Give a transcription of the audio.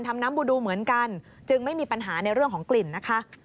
ทำน้ำบูดูเหมือนกันจึงไม่มีปัญหาในเรื่องของกลิ่นนะคะ